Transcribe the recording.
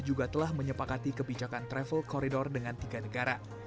juga telah menyepakati kebijakan travel corridor dengan tiga negara